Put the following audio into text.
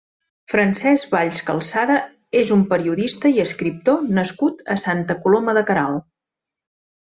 Francesc Valls-Calçada és un periodista i escriptor nascut a Santa Coloma de Queralt.